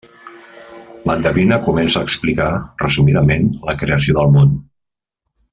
L'endevina comença a explicar resumidament la creació del món.